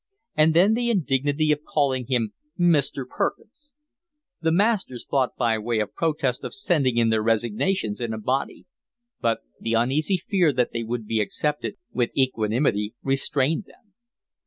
And then the indignity of calling him Mr. Perkins! The masters thought by way of protest of sending in their resignations in a body, but the uneasy fear that they would be accepted with equanimity restrained them.